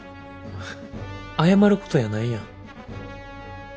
謝ることやないやん。